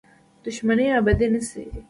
دښمني ابدي شی نه دی.